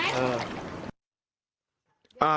พี่น้อยอยู่ไหม